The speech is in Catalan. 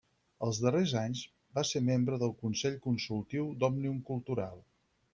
Els darrers anys, va ser membre del consell consultiu d'Òmnium Cultural.